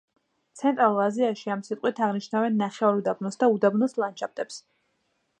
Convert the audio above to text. ცენტრალურ აზიაში ამ სიტყვით აღნიშნავენ ნახევარუდაბნოს და უდაბნოს ლანდშაფტებს.